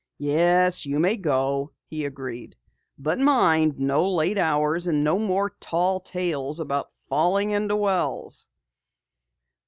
"Yes, you may go," he agreed. "But mind, no late hours. And no more tall tales about falling into wells!"